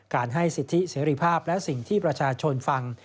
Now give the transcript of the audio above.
การให้สิทธิเสรีภาพและสิ่งที่ประชาชนฟัง